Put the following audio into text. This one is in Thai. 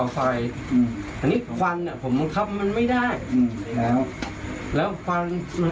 แล้วข้างบ้านเขามาว่าหรือว่าไง